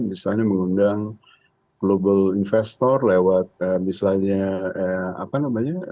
misalnya mengundang global investor lewat misalnya apa namanya